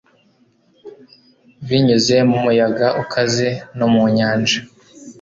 binyuze mu muyaga ukaze no mu nyanja